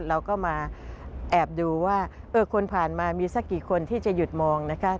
เราก็มาแอบดูว่าคนผ่านมามีสักกี่คนที่จะหยุดมองนะคะ